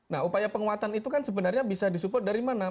nah upaya penguatan itu kan sebenarnya bisa disupport dari mana